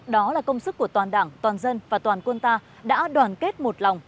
đó là công sức của toàn đảng toàn dân và toàn quân ta đã đoàn kết một lòng